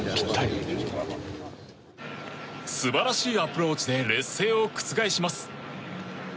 素晴らしいアプローチで劣勢を覆します。